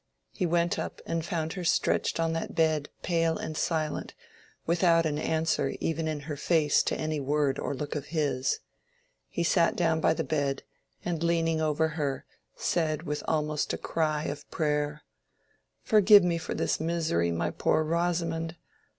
He went up and found her stretched on the bed pale and silent, without an answer even in her face to any word or look of his. He sat down by the bed and leaning over her said with almost a cry of prayer— "Forgive me for this misery, my poor Rosamond!